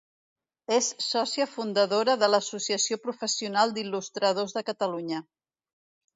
És sòcia fundadora de l'Associació professional d'Il·lustradors de Catalunya.